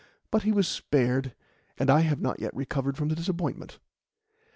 But he was spared, and I have not yet recovered from the disappointment.